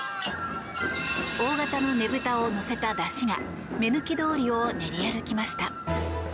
大型のねぶたを乗せた山車が目抜き通りを練り歩きました。